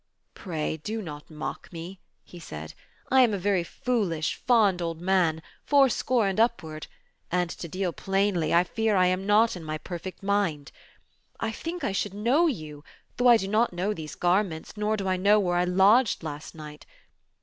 "Pray do not mock me,'* he said. /I am a very foolish, fond old man, four score and upward, and to deal plainly, I fear I am not in my perfect mind. I think I should know you, though I do not know these garments, nor do I know where I lodged last night.